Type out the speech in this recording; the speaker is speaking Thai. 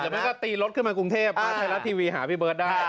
แต่มันก็ตีรถขึ้นมากรุงเทพมาไทยรัฐทีวีหาพี่เบิร์ตได้